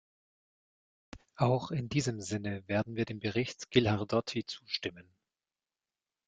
Auch in diesem Sinne werden wir dem Bericht Ghilardotti zustimmen.